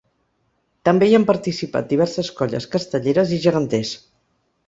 També hi han participat diverses colles castelleres i geganters.